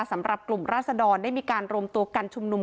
สำหรับกลุ่มราศดรได้มีการรวมตัวกันชุมนุม